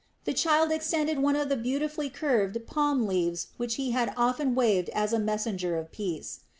The child extended one of the beautifully curved palm leaves which he had often waved as a messenger of peace.